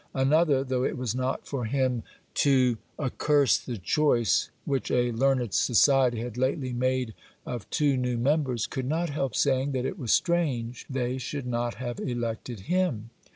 Another, though it was not for him to arraignmt' choice which a learned society had lately made of two new mem bers, could not help saying that it was strange they should not have elected him.